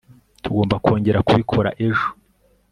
tugomba kongera kubikora ejo